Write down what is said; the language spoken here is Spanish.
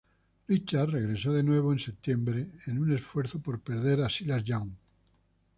Richards regresó de nuevo en septiembre, en un esfuerzo por perder a Silas Young.